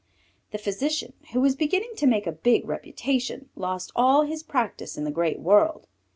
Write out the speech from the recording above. This physician, who was beginning to make a big reputation, lost all his practice in the great world.